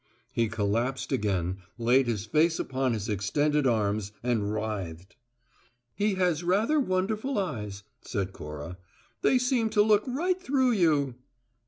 He collapsed again, laid his face upon his extended arms, and writhed. "He has rather wonderful eyes," said Cora. "They seem to look right through you."